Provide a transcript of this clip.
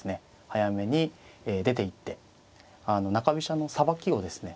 早めに出ていって中飛車のさばきをですね